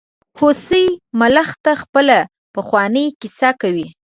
هوسۍ ملخ ته خپله پخوانۍ کیسه کوي.